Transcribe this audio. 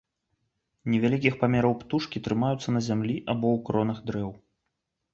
Невялікіх памераў птушкі, трымаюцца на зямлі або ў кронах дрэў.